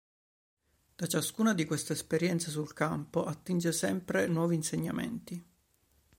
Da ciascuna di queste esperienze sul campo attinge sempre nuovi insegnamenti.